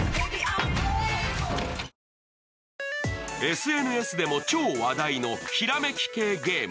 ＳＮＳでも話題の超ひらめき系ゲーム